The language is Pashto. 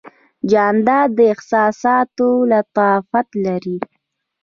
جانداد د احساساتو لطافت لري.